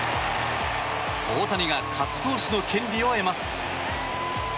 大谷が勝ち投手の権利を得ます。